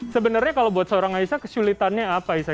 sebenarnya kalau buat seorang aisyah kesulitannya apa isa